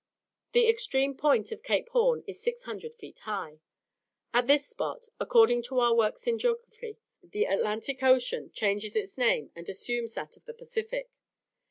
The extreme point of Cape Horn is 600 feet high. At this spot, according to our works on geography, the Atlantic Ocean changes its name and assumes that of the Pacific.